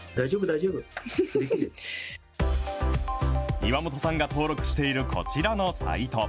岩本さんが登録しているこちらのサイト。